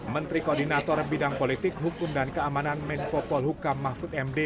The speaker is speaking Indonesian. menteri koordinator bidang politik hukum dan keamanan menko polhukam mahfud md